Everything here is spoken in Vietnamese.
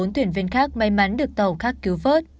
bốn thuyền viên khác may mắn được tàu khác cứu vớt